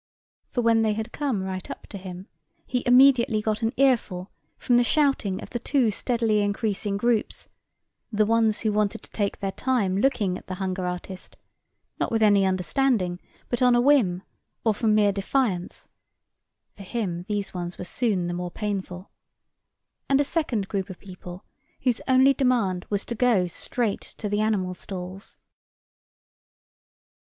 For when they had come right up to him, he immediately got an earful from the shouting of the two steadily increasing groups, the ones who wanted to take their time looking at the hunger artist, not with any understanding but on a whim or from mere defiance—for him these ones were soon the more painful—and a second group of people whose only demand was to go straight to the animal stalls.